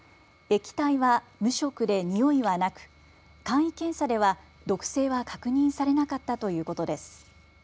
液体は無色で、においはなく簡易検査では毒性は確認されなかったということです。